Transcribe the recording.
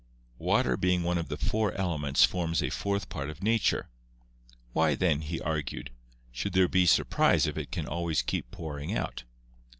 Water being one of the four elements forms a fourth part of nature. Why then, he argued, should there be surprise if it can always keep pouring out